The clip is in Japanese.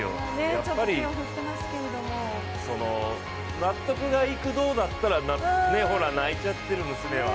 やっぱり納得がいく銅だったら泣いちゃってる、娘が。